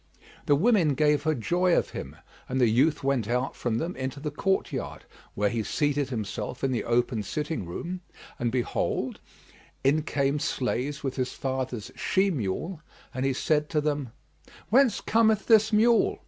The women gave her joy of him, and the youth went out from them into the court yard where he seated himself in the open sitting room; and behold, in came the slaves with his father's she mule, and he said to them, "Whence cometh this mule?"